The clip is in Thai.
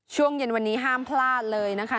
ช่วงเย็นวันนี้ห้ามพลาดเลยนะคะ